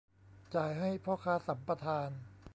จ่ายให้พ่อค้าสัมปทาน